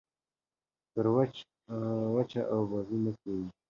پر وچه اوبازي نه کېږي.